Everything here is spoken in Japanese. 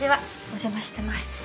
お邪魔してます。